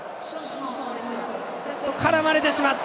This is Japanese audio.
絡まれてしまった！